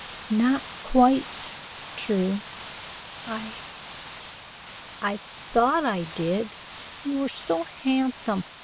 "Not quite true. I I thought I did. You were so handsome!